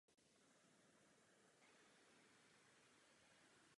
Vycházelo z nejlepších vědeckých důkazů.